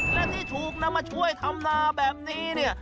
และที่ถูกนำมาช่วยทำนาแบบนี้เนี่ย